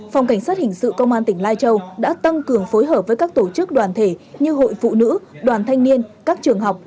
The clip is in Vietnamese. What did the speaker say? phòng cảnh sát hình sự công an tỉnh lai châu đã tăng cường phối hợp với các tổ chức đoàn thể như hội phụ nữ đoàn thanh niên các trường học